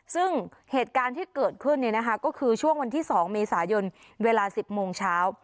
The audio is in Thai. ซึ่งเหตุการณ์ที่เกิดขึ้นก็คือช่วงวันที่๒เมษายนเวลา๑๐โมงเช้า